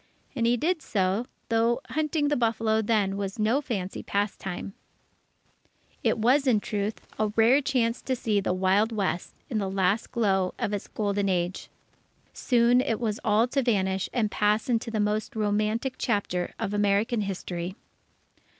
And he did so, though hunting the buffalo then was no fancy pastime. It was, in truth, a rare chance to see the Wild West in the last glow of its golden age. Soon it was all to vanish and pass into the most romantic chapter of American history.